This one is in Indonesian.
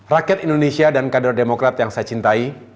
rakyat indonesia dan kader demokrat yang saya cintai